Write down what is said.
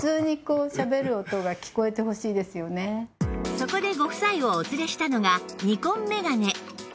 そこでご夫妻をお連れしたのがニコンメガネ